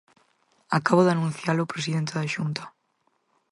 Acabo de anuncialo o presidente da Xunta.